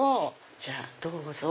じゃあどうぞ。